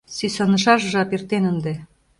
Сӱсанышаш жап эртен ынде...